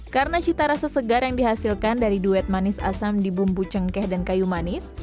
karena sita rasa segar yang dihasilkan dari duet manis asam di bumbu cengkeh dan kayu manis